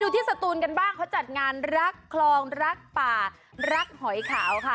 ที่สตูนกันบ้างเขาจัดงานรักคลองรักป่ารักหอยขาวค่ะ